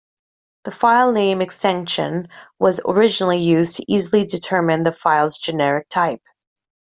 The filename extension was originally used to easily determine the file's generic type.